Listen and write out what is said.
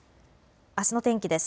あすの天気です。